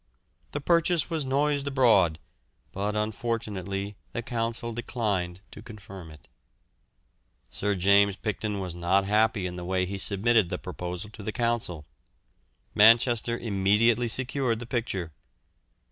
The purchase was noised abroad, but unfortunately the Council declined to confirm it. Sir James Picton was not happy in the way he submitted the proposal to the Council. Manchester immediately secured the picture.